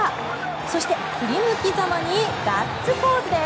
そして、振り向きざまにガッツポーズです。